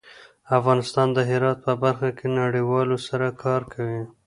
افغانستان د هرات په برخه کې نړیوالو سره کار کوي.